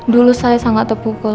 dulu saya sangat terpukul